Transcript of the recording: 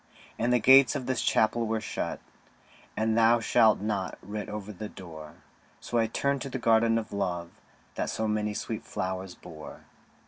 And the gates of this Chapel were shut, And 'Thou shalt not' writ over the door; So I turned to the Garden of Love That so many sweet flowers bore.